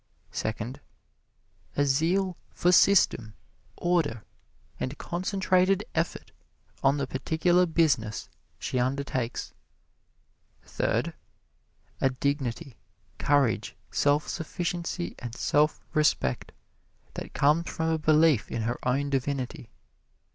Second, A zeal for system, order and concentrated effort on the particular business she undertakes. Third, A dignity, courage, self sufficiency and self respect that comes from a belief in her own divinity.